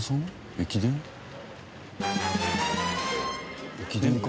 駅伝か？